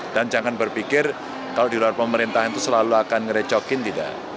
dan jangan berpikir kalau di luar pemerintahan itu selalu akan ngerecokin tidak